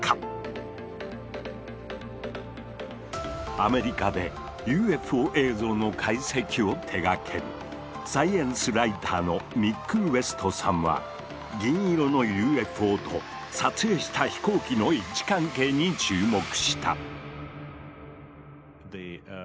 アメリカでＵＦＯ映像の解析を手がけるサイエンスライターのミック・ウエストさんは銀色のＵＦＯと撮影した飛行機の位置関係に注目した。